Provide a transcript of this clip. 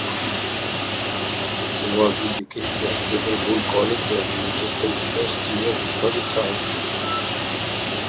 He was educated at Liverpool College and Manchester University where he studied science.